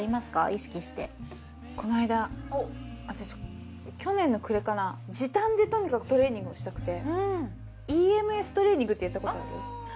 意識してこの間私去年の暮れかな時短でとにかくトレーニングをしたくてってやったことある？